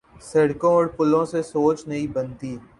سڑکوں اور پلوں سے سوچ نہیں بنتی۔